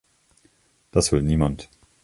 Das will niemand.